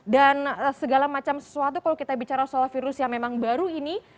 dan segala macam sesuatu kalau kita bicara soal virus yang memang baru ini